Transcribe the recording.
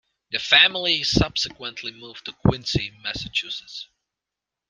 The family subsequently moved to Quincy, Massachusetts.